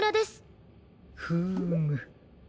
フーム。